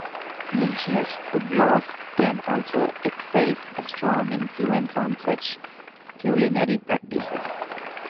Religious food laws can also exercise a strong influence on such culinary practices.